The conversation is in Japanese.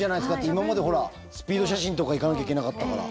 今までスピード写真とか行かなきゃいけなかったから。